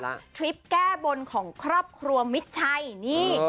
สำหรับทริปแก้บนของครอบครัวมิชไชล์นี้